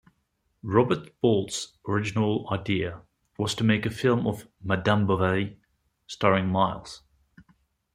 Robert Bolt's original idea was to make a film of "Madame Bovary", starring Miles.